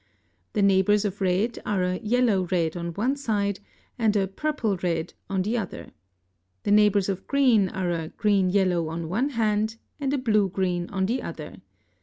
The neighbors of red are a yellow red on one side and a purple red on the other. The neighbors of green are a green yellow on one hand and a blue green on the other.